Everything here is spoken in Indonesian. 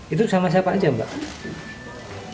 itu sama siapa aja mbak